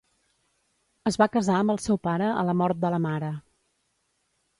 Es va casar amb el seu pare a la mort de la mare.